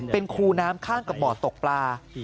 เป็นคูน้ำข้างกับบ่อตกปลา